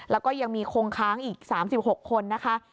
แล้วก็ยังมีคงค้างอีก๓๖คนนะคะ